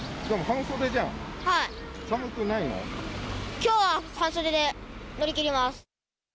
きょうは半袖で乗り切ります。